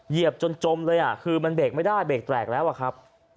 เหยียบจนจมเลยคือมันเบรกไม่ได้เบรกแตกแล้วอะครับ